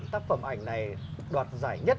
tác phẩm ảnh này đoạt giải nhất